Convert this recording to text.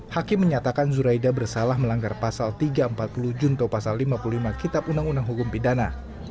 hakim menyatakan zuraida bersalah melanggar pasal tiga ratus empat puluh junto pasal lima puluh lima kitab undang undang hukum pidana